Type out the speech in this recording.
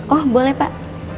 oh boleh pak